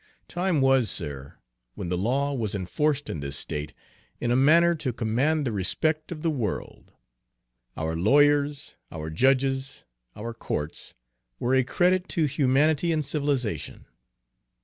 Time was, sir, when the law was enforced in this state in a manner to command the respect of the world! Our lawyers, our judges, our courts, were a credit to humanity and civilization.